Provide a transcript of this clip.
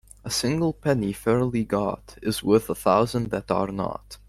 A single penny fairly got is worth a thousand that are not.